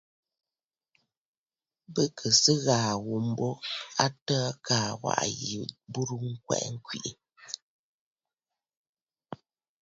Bɨ kɨ̀ sɨ ghàà ghu mbo a təə kaa waʼà yi burə ŋkwɛ kwɛʼɛ.